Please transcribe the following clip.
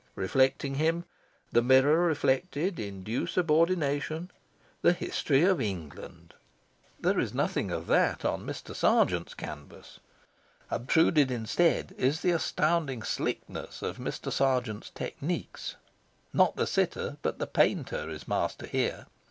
Reflecting him, the mirror reflected, in due subordination, the history of England. There is nothing of that on Mr. Sargent's canvas. Obtruded instead is the astounding slickness of Mr. Sargent's technique: not the sitter, but the painter, is master here.